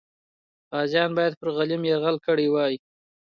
غازیان باید پر غلیم یرغل کړی وای.